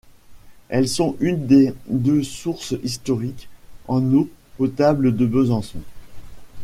Elles sont une des deux sources historiques en eau potable de Besançon.